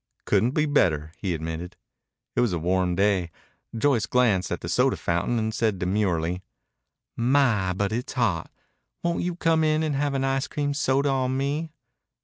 "Couldn't be better," he admitted. It was a warm day. Joyce glanced in at the soda fountain and said demurely, "My, but it's hot! Won't you come in and have an ice cream soda on me?"